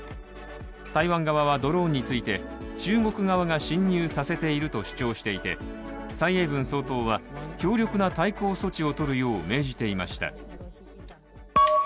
台湾側はドローンについて中国側が進入させていると主張していて蔡英文総統は強力な対抗措置を取るよう命じていました。